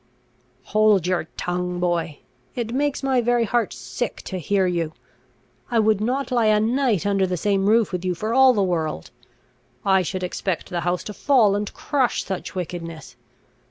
"Hold your tongue, boy! It makes my very heart sick to hear you! I would not lie a night under the same roof with you for all the world! I should expect the house to fall and crush such wickedness!